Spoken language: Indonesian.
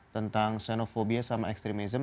tentang xenophobia sama extremism